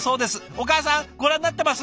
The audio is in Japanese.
お母さんご覧になってます？